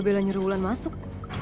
bella nyuruh ulan masuk